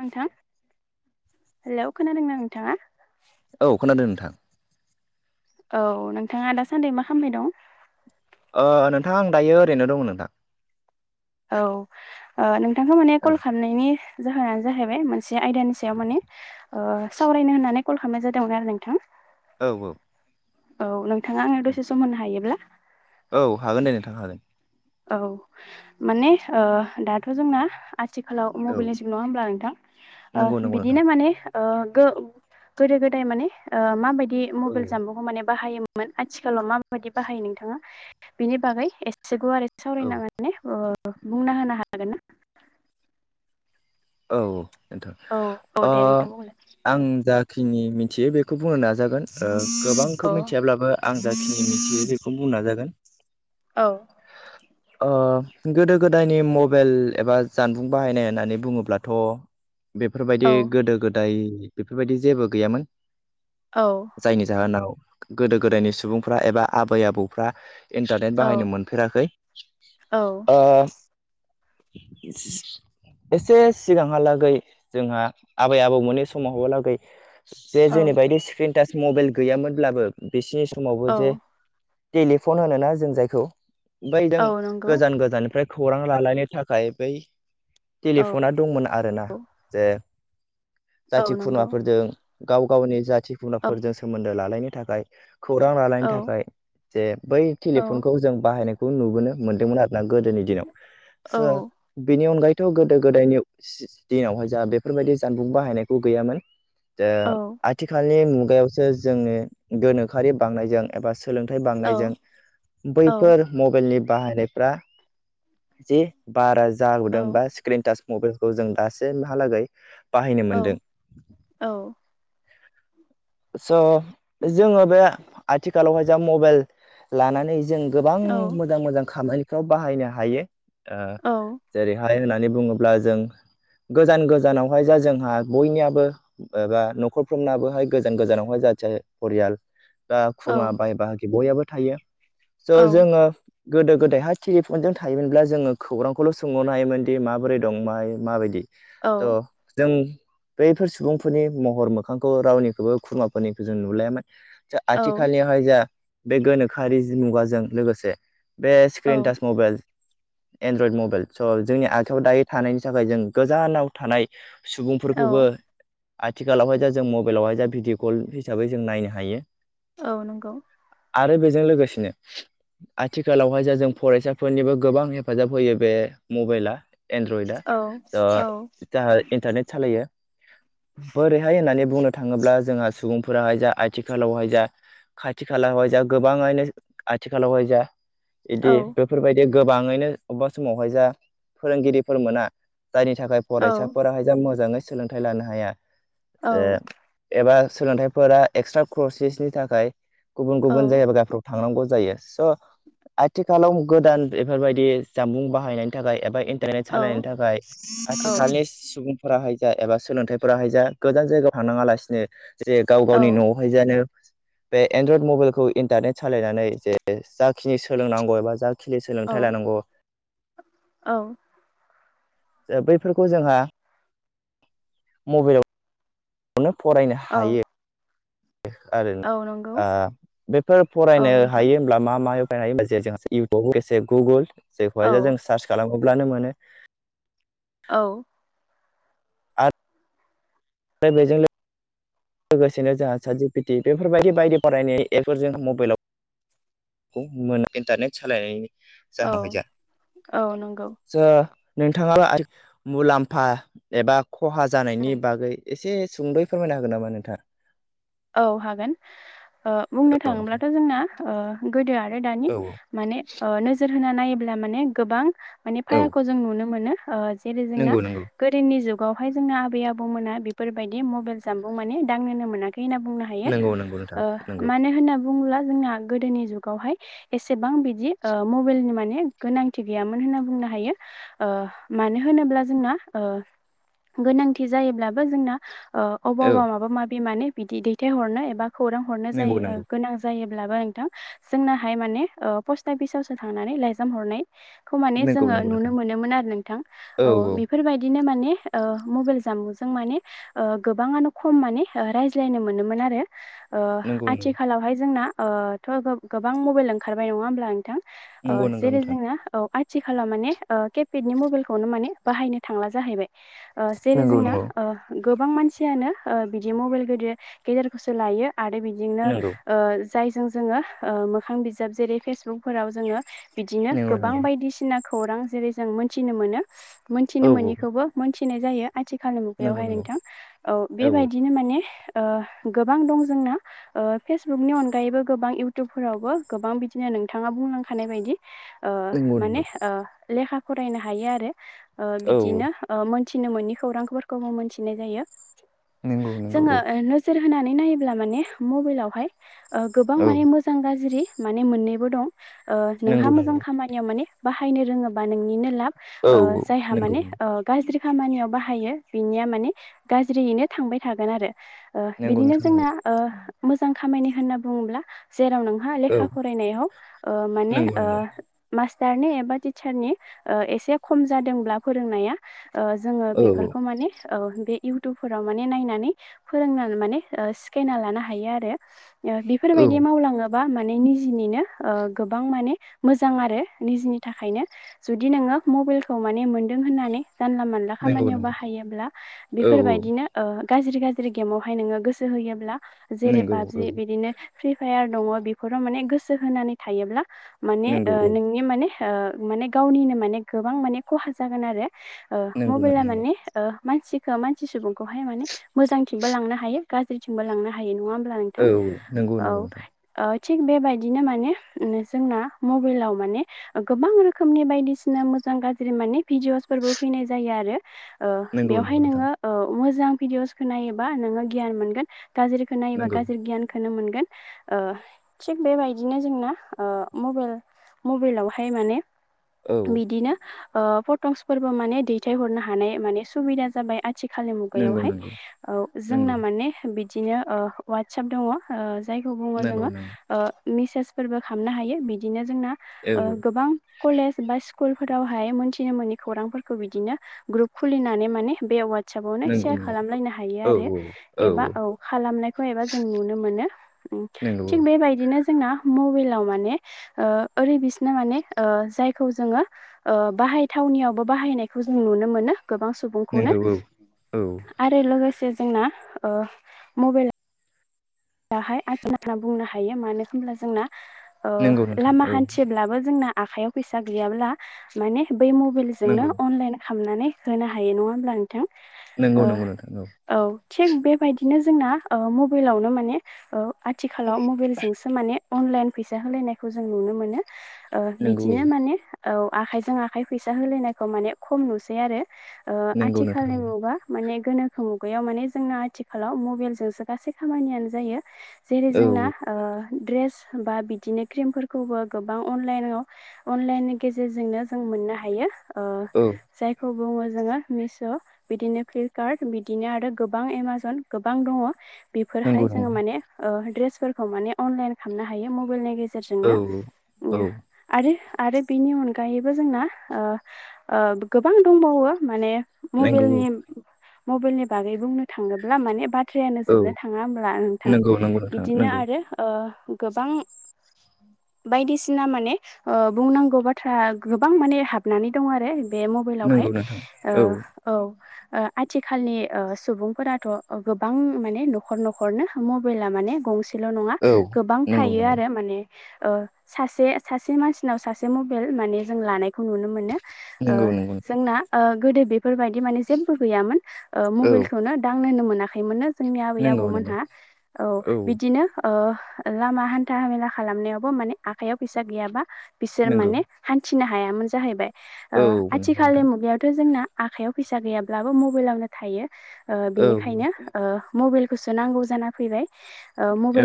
नोंथां हेलौ खोनादोंना नोंथाङा। औ खोनादों नोंथां। औ नोंथाङा दासान्दै मा खामबाय दं। नोंथांङा आं दायो ओरैनो दं नोंथां। औ नोंथांखौ माने औ कल खालामनायनि जाहोनानो जाहैबाय मोनसे एसे आयदानि सायाव माने सावरायनो होननानै कल खालामनाय जादोंमोन आरो नोंथां औ औ औ नोंथाङा आङो दसे सम होनो हायोब्ला औ हागोन दे नोंथांनो हागोन। औ माने दाथ' जोंना आथिखालाव औ मबाइलनि जिब नङा होमब्ला नंगौ नोंथां नंगौ नोंथां बिदिनो माने गोदो गोदाय माने माबायदि औ मबाइल जानबुंखौ माने बाहायोमोन आथिखालाव माबायदि बाहायो नोंथाङा बिनि बागै एसे गुवारै आरो औ सावरायनो ने बुंना होनो हागोन ना? औ औ औ दे बेथ' नोंथां बुंलाय आं जाखि जिनि मिथियो बेखौ बुंनो नाजागोन औ गोबांखौ मिथियाब्लाबो आं जाखिनि मिथियो बेखौनो बुंनाय जागोन। औ गोदो गोदायनि मबाइल एबा जानबुं बाहायनाय होननानै बुङोब्लाथ' औ बेफोरबायदि गोदो गोदाय बेफोरबायदि जेबो गैयामोन। औ जायनि जाहोनाव गोदो गोदायनि सुबुंफ्रा एबा आबै आबौफ्रा इन्टारनेट औ बाहायनो मोनफेराखै [inaudible] एसे सिगाङाहालागै जोंहा आबै आबौ मोनै समाव हालागै जे औ जोंनि बायदि स्क्रिन टाच मबाइल गैयामोनब्लाबो बिसिनि समावबो औ जे टेलिफन होनोना जों जायखौ बै जों औ नंगौ गोजान गोजाननिफ्राय खौरां लालायनो थाखाय बै औ टेलिफना दंमोन आरोना जे औ जाथि नंगौ खुरमाफोरजों गाव गावनि जाथि औ खुरमाफोरजों सोमोन्दो लालायनो थाखाय खौरां लाानायनि औ थाखाय जे बै औ टेलिफनखौ जों बाहायनायखौ नुबोनो मोन्दोंमोन आरो। ना गोदोनि दिनाव औ स बेनि अनगायै थ' गोदो गोदायनि दिनावहाय जोंहा बेफोरबायदि जानबुं बाहायनायखौ गैयामोन। औ आथिखालनि मुगायावसो जोंनि गोनोखोआरि बांनायजों एबा सोलोंथाइ औ बांनायजों बैफोर मबाइलनि बाहायनाय बारा औ जादोंबा मबाइलखौ जों दासिमहालागै बाहायनो मोनदों औ औ स' जोङो बे आथिखालावहाय जा मबाइल लानानै जों गोबां मोजां मोजां खामानिफ्राव बाहायनो हायो। जेरैहाय होननानै बुङोब्ला जों गोजान गोजानावहाय जा जोंहा बयनियाबो एबा न'खरफ्रोनाबोहाय गोजान गोजानावहाय जा फरियाल बा खुरमा बाय बाहागि बययबो थायो स' जोङो गोदो गोदायहाय टेलिफनजों थायोमोनब्ला जोङो खौरांखौल' सोंहरनो हायोमोनदि माबोरै दं माय माबायदि त' जों बैफोर सुबुंफोरनि महर मोखांखौ रावनिखौबो खुरमाफोरनिखौ जों नुलायामोन। औ आथिखालनियावहाय जा बे गोनोखोआरि जि मुगाजों लोगोसे बे screen touch mobile android mobile स' जोंनि आखायाव दायो थानायनि थाखाय जों गोजानाव थानाय औ सुबुंफोरखौबो आथिखालावहाय दा जों मबाइलावहाय जा भिडिअ कल हिसाबै जों नायनो हायो। औ नोंगौ। आरो बेजों लोगोसेनो आ थिखालावहाय जा जों फरायसाफोरनिबो गोबां हेफाजाब होयो बे मबाइला। एन्ड्रइडआ औ आ औ ज जाहा इन्टारनेट सालायो बोरैहाय होननानै बुंनो थाङोब्ला जोंहा सुबुंफोराहाय जा आथिखालावहाय जा खाथि खालायावहाय जा गोबां आइनो आथिखालावहाय जा इदि बेफोरबायदि गोबाङैनो अबबा समावहाय जा फोरोंगिरिफोर मोना जायनि थाखाय औ फरायसाफोराहाय जा मोजाङै सोलोंथाइ लानो हाया औ जे एबा सोलोंथाइफोरा एक्सट्रा कर्सेसनि थाखाय गुबुन औ गुबुन जायगाबा गाफ्र' थांनांगौ जायो स आथिखालाव गोदान बेफोरबायदि जामबुं बाहायनायनि थाखाय एबा इन टारनेट औ सालायनि थाखाय आथिखालनि सुबुं फोराहाय जा एबा सोलोंथाइफोराहाय जा गोजान जायगायाव थांनाङा लासिनो जे गाव गावनि नआवहाय जानो बे एनड्रयड मबाइलखौ इन्टारनेट सालायनानै जे जाखिनि सोलोंनांगौ एबा जा खिनि सोलोंथाइ लानांगौ औ ओ बैफोरखौ जोंहा मबेलाव नो फरायनो हायो। आरो औ नंगौ ओ बैफोर औ फरायनो नोंथां हायो होनब्ला मा मा [inaudible] इउटुब एसे गुगोल औ जेखौहाय जों सार्च खालामोब्लानो मोनो औ आर रो बेजों लो लोगोसेनो जोंहा सा चाट जिपेटि बेफोरबायदि बायदि फरायनाय एपफोरजों मबाइलाव खौ मोनो इन्टारनेट सालायनायनि औ जाहोनावहाय जा। औ नंगौ स' नोंथाङा [inaudible] मुलाम्फा एबा खहा जानायनि बागै एसे सुंदयै फोरमायना हागोन नामा नोंथाङा? औ हागोन ओ बुंनो औ नोंथां थाङोब्लाथ जोंना ओ गोदो आर रो दानि औ माने ओ नोजोर होना नायोब्ला माने गोबां माने औ फारागखौ जों नुनो मोनो। ओ जेरै जोंना नंगौ नंगौ गोदोनि जुग गावहाय जोंना आबै आबौमोना बेफोरबायदि मबाइल जामबुं माने दांनोनो मोना खै होनना बुंनो हायो नंगौ नंगौ नोंथां ओ नंगौ मानो होनना बुङोब्ला जोंहा गोदोनि जुगावहाय एसेबां बिदि ओ मबाइलनि माने गोनांथि गैयामोन होनना बुंनो हायो ओ मानो होनोब्ला जोंना ओ गोनांथि जायोब्लाबो जोंना ओ औ अबावबा माबा माबि मानो बिदि दैथायहरनो एबा खौरां हरनो नंगौ जायो ओ नंगौ गोनां जायो ब्लाबो नोंथां जोंनाहाय माने ओ पस्ट आआफिसावसो थांनानै लाइजाम हरनाय खौ माने नंगौ जोङो नंगौ नुनो नोंथां मोनोमोन आरो नोंथां औ बेफोरबायदिनो माने ओ मबाइल जानबुंजों माने ओ गोबांङानो खम माने ओ रायज्ला सिलायनो मोनोमोन आरो ओ नंगौ नंगौ आथिखालावहाय जोंना ओ थ गोब गोबां मबेल ओंखारबाय नङा होमब्ला नोंथां नंगौ नंगौ जेरै नोंथां जोंना आइ थिखालाव माने ओ केपेदनि मबाइलखौनो माने बाहायनो थांला जाहैबाय ओ जेरै नंगौ जोंना नंगौ ओ गोबां मानसियानो ओ बिदि मबाइल गोदेर गेदेरखौसो लायो। आरो बिदिनो नंगौ ओ जायजों जोङो ओ मोखां बिजाब जेरै फेसबुकफोराव जोङो बिदिनो नंगौ गोबां नंगौ बायदिसिना खौरां जेरै जों मोनथिनो मोनो औ मोनथिनो औ मोनैखौबो मोनथि फनाय जायो। आथिखालनि नंगौ मुगायावहाय नंगौ नोंथां औ बेबायदिनो माने ओ गोबां दं जोंना ओ फेसबुकनि अनगायैबो गोबां इउटुबफोरावबो गोबां बिदिनो नोंथाङा बुंलांखानाय बायदि ओ नंगौ माने नंगौ ओ लेखा फरायनो हायो आरो ओ औ बिदिनो मिथिनो मोननि खौरांफोरखौबो मोनथिनाय जायो नंगौ जोङो नंगौ नोजोर होनानै नायोब्ला माने मबाइलावहाय गोबां औ माने मोजां गाज्रि माने मोननैबो दं ओ नोंहा नंगौ मोजां नंगौ खामानियाव माने बाहायनो रोङोबा नोंनिनो लाब औ ओ जायहा नंगौ माने ओ गाज्रि खामानियाव बाहायो बिनिया माने गाज्रियैनो थांबाय थागोन आरो। ओ नंगौ बिदिनो नोंथां जोंना नंगौ मोजां खामानि होनना बुङोब्ला जेराव नोंहा औ लेखा फरायनायाव ओ माने नंगौ ओ नंगौ मास्टारनि एबा टिचारनि ओ एसे खम जादोंब्ला फोरोंनाया ओ जोङो औ बेफोरखौ माने बे इउटुबफोराव माने नायनानै फोरों माने सिखायना लानो हायो आरो ओ बिफोरबायदि औ मावलाङो। बा माने निजिनिनो ओ गोबां माने मोजां आरो निजिनि थाखायनो जुदि नोङो मबेलखौ मोनदों होननानै जानला मानला नंगौ खामानियाव नंगौ बाहायोब्ला औ औ बेफोरबायदिनो ओ गाज्रि गाज्रि ज्रि गेमावहाय नोङो गोसो होयोब्ला जेरै नंगौ औ पाबजि बिदिनो फ्रि फायार दङ' बेफोराव माने गोसो होनानै थायोब्ला माने नंगौ ओ औ नोंनि माने माने गावनिनो माने गोबां माने ख'हा जागोन आरो। ओ नंगौ नंगौ मबेला नंगौ माने ओ मानसिखो मानसि सुबुंखौहाय माने मोजांथिंबो लांनो हायो गाज्रिथिंबो लांनो हायो नङा होमब्ला औ नोंथां औ नंगौ औ नंगौ नोंथां ओ थिग बेबायदिनो माने ओ जोंना मबेलाव माने गोबां रोखोमनि बायदिसिना मो मोजां गाज्रि माने भिडिअ'सफोरबो फैनाय जायो आरो। ओ नंगौ बेवहाय नंगौ नोंथां नोङो मोजां भिडिअ'सखौ नायोबा नोङो गियान मोनगोन। गाज्रिखो नायोबा नंगौ गाज्रि गियानखनो मोनगोन। गोन ओ थिग बेबायदिनो जोंना ओ मबेल मबेलावहाय माने औ बिदिनो ओ फटकसफोरबो माने दैथायहरनो हानाय माने सुबिदा जाबाय आथ थिखालनि नंगौ मुगायावहाय नंगौ ओ जोंना नंगौ माने बिदिनो वाटसाप दङ। जायखौ बुङो नंगौ जोङो नंगौ ओ मेसेसफोरबो खामनो हायो। बिदिनो जोंना औ ओ औ गोबां कलेज बा स्कु कुल फोरावहाय मोनथिनो मोनि खौरांफोरखौ बिदिनो ग्रुप खुलिनानै माने बे वा [unintelligible] नंगौ नंगौ खालामलायनो हायो आरो एबा औ खालामनायखौ एबा जों नुनो मोनो ओम नंगौ थि औ बेबायदिनो जोंना मबेलाव माने ओ ओरै बिसिना माने ओ जायखौ जोङो बा हाय थावनियावबो बाहायनायखौ जों नुनो मोनो। गोबां सुबुंखौनो नंगौ औ आरो लोगोसे जोंना ओ मबेल हाय [unintelligible] बुंनो हायो मानो होमब्ला जोंना ओ नंगौ नोंथां लामा औ हानथियोब्लाबो जोंना आखाइयाव फैसा गैयाब्ला माने बै नंगौ मबिलजोंनो अनलाइन खामनानै होनो हायो नङा होमब्ला नों नोंगौ नोंगौ नोंथां औ थिग बेबायदिनो जोंना ओ मबेलावनो माने ओ आथिखालाव मबेलजोंसो माने अनलाइन फैसा होलायनायखौ जों नुनो मोनो ओ नंगौ औ बिदिनो माने औ आखाइजों आखाइ फैसा होलायनायखौ माने खम नुसै आरो ओ नंगौ नोंथां आथिखालनि औ [unintelligible] माने गोनोखो मुगायाव माने जोंना आथिखालाव मबेलजोंसो गासै खामानियानो जायो। जेरै जोंना औ ओ ड्रेस बा बिदिनो क्रिमफोरखौबो गोबां अनलाइनाव अनलाइननि गेजेरजोंनो जों मोननो हायो ओ औ जायखौ। बुङो जोङो मिश' बिदिनो फ्लिपकार्ट बिदिनो आरो गोबां एमाजन गोबां दङ'। नंगौ बिफोरहाय जोङो नंगौ माने ओ ड्रेसफोरखौ माने अनलाइन खामनो हायो मबेलनि गेजे औ जेरजोंनो औ ओम आरो आरो बिनि अनगायैबो जोंना ओ ओ गोबां दंबावो माने नंगौ मबेलनि मबेलनि बागै बुंनो थाङोब्ला माने बाथ्रायानो औ जोबनो थाङा ओम नोंथां नंगौ नंगौ नोंथां बिदिनो नंगौ आरो गोबां बायदिसिना माने बुंनांगौ बाथ्रा गोबां माने हाबनानै दं आरो बे मबाइलावहाय नंगौ नोंथां औ ओ। आथिखालनि सुबुंफोराथ गोबां माने न'खर न'खर न'खरनो मबाइला माने गंसेल नङा औ गोबां नंगौ थायो नंगौ आरो माने। सासे सासे मानसिनाव सासे मबाइल माने जों लानायखौ नुनो मोनो। नंगौ नंगौ जोंना गोदो बे बेफोरबायदि माने जेबो गैयामोन औ मबाइलखौनो दांनोननो मोनाखैमोननो जोंनि आबै नंगौ आबौमोन। नंगौ औ बिदिनो लामा हान्था हामेला खालामनायावबो माने आखाइयाव फैसा गैयाबा। बिसोर नंगौ माने हान्थिनो हायामोन जाहैबाय औ नंगौ आथिखालनि नोंथां मुब्लिायावथ जोंना। आखायाव फैसा गैयाब्लाबो मबाइलावनो थायो बिनिखायनो औ मबाइलखौ। नांगौ जाना फैबाय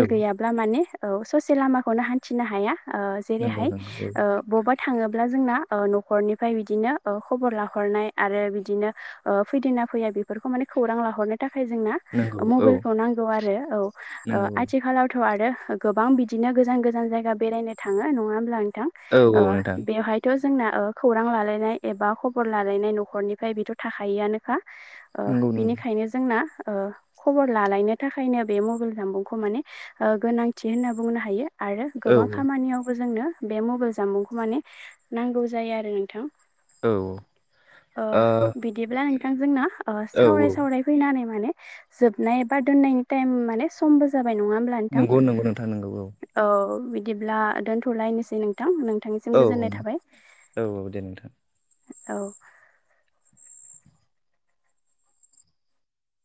औ गैयाब्ला माने ससे लामाखौनो हान्थिनो हाया। नंगौ जेरैहाय नंगौ औ बबावबा। थाङोब्ला जोंना न'खरनिफ्राय बिदिनो खबर लाहरनाय आरो बिदिनो फै। फैया बेफोरखौ मान खौरां लाहरनो थाखाय जोंना नंगौ औ मबाइलखौ नांगौ आरो औ नंगौ आथिखालावथ आरो। गोबां बिदिनो गोजान गोजान जायगा बेरायनो थाङो नङा होमब्ला नोंथां औ औ नोंथां बेवहायथ' जोंना खौरां लालायनाय एबा खबर लालायनाय न'खरनिफ्राय बेथ थाखआनोखा नंगौ नंगौ बिनिखायनो जोंना खबर लालायनो थाखायनो बे मबाइल जाम बुंखौ माने गोनांथि होनना बुंनो हायो। आरो औ गोबां खामानियावबो जोंनो बे मबाइल जामुंखौ माने नांगौ जायो आरो नोंथां। औ ओ अ बिदिब्ला थां जोंना औ सावराय औ सावराय फैनानै माने जोब नाय एबा दोननायनि टाइम माने समबो जाबाय नङा होमब्ला नोंथां नंगौ नंगौ नोंथां नंगौ औ। बिदिब्ला दोनथलायनोसै नोंथां नोंथांनिसिम औ गोजोननाय थाबाय। औ औ दे नोंथां औ।